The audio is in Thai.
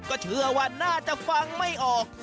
ก็เชื่อว่าน่าจะฟังไม่ออก